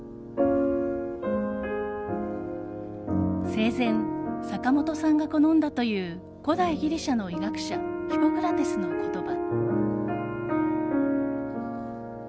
生前、坂本さんが好んだという古代ギリシャの医学者ヒポクラテスの言葉。